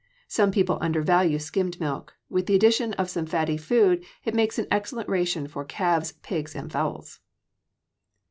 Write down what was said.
Some people undervalue skimmed milk; with the addition of some fatty food it makes an excellent ration for calves, pigs, and fowls.